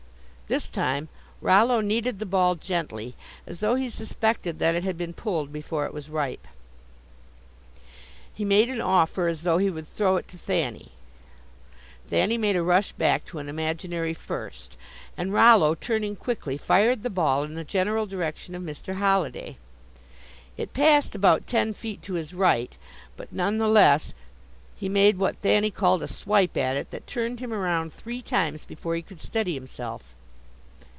This time Rollo kneaded the ball gently, as though he suspected it had been pulled before it was ripe. He made an offer as though he would throw it to Thanny. Thanny made a rush back to an imaginary "first," and Rollo, turning quickly, fired the ball in the general direction of Mr. Holliday. It passed about ten feet to his right, but none the less he made what Thanny called "a swipe" at it that turned him around three times before he could steady himself.